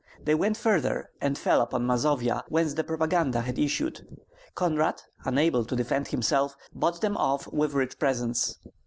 They went farther and fell upon Mazovia, whence the propaganda had issued. Konrad, unable to defend himself, bought them off with rich presents.